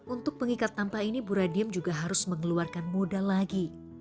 untuk pengikat tampah ini bu radiem juga harus mengeluarkan modal lagi